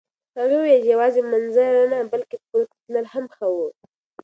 هغې وویل یوازې منظره نه، بلکه پورته تلل هم ښه وو.